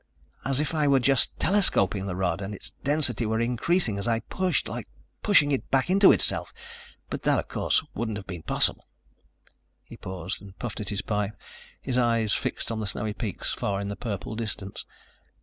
As if I were just telescoping the rod and its density were increasing as I pushed, like pushing it back into itself, but that, of course, wouldn't have been possible." He paused and puffed at his pipe, his eyes fixed on the snowy peaks far in the purple distance.